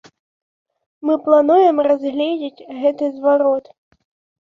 Мы плануем разгледзець гэты зварот.